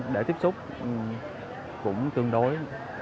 để tiếp xúc cũng tương đối